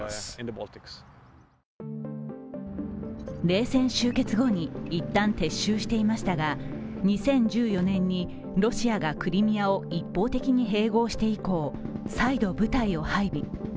冷戦終結後に、いったん撤収していましたが２０１４年にロシアがクリミアを一方的に併合して以降、再度、部隊を配備。